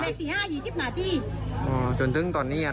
ตอนนี้สี่ห้าหยีกกิบหนาตีอ๋อจนถึงตอนนี้อ่ะนะ